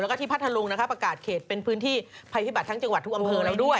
แล้วก็ที่พัทธลุงนะคะประกาศเขตเป็นพื้นที่ภัยพิบัตรทั้งจังหวัดทุกอำเภอแล้วด้วย